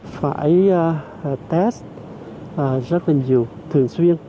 phải test rất là nhiều thường xuyên